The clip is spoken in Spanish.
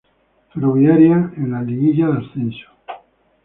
Ferroviaria, en la liguilla de ascenso.